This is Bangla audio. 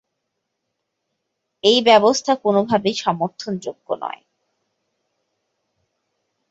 এই ব্যবস্থা কোনোভাবেই সমর্থনযোগ্য নয়।